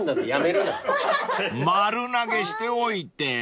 ［丸投げしておいて］